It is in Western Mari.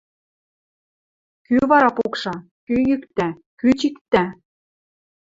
Кӱ вара пукша, кӱ йӱктӓ, кӱ чиктӓ?